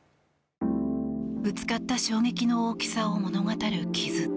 ぶつかった衝撃の大きさを物語る傷。